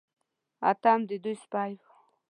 اتم د دوی سپی و.